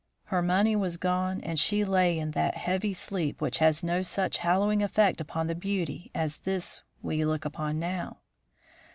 Her money was gone, and she lay in that heavy sleep which has no such hallowing effect upon the beauty as this we look upon now.